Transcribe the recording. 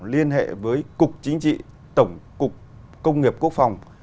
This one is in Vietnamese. liên hệ với cục chính trị tổng cục công nghiệp quốc phòng